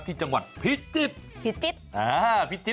ที่จังหวัดพิจิตพิจิต